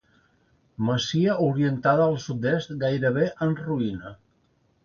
Masia orientada al sud-est gairebé en ruïna.